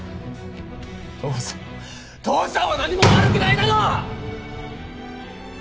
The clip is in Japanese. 父さん父さんは何も悪くないだろ！